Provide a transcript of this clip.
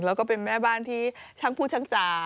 แล้วก็เป็นแม่บ้านที่ช่างพูดช่างจ๋า